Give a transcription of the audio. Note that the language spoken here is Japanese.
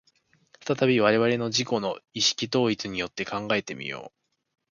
再び我々の自己の意識統一によって考えて見よう。